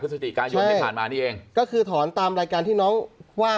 สติกายนที่ผ่านมานี่เองก็คือถอนตามรายการที่น้องว่า